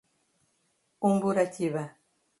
Umburatiba